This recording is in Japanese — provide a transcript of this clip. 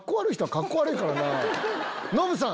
ノブさん！